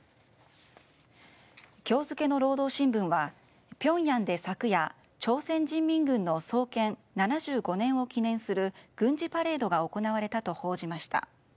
今日付の労働新聞はピョンヤンで昨夜朝鮮人民軍の創建７５年を記念する軍事パレードが行われたと報じました。